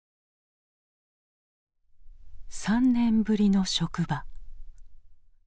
３年ぶりの職場。